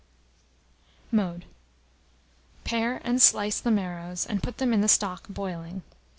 Mode. Pare and slice the marrows, and put them in the stock boiling.